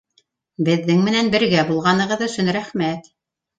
Беҙҙең менән бергә булғанығыҙ өсөн рәхмәт!